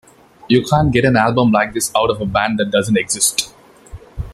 You can't get an album like this out of a band that doesn't exist.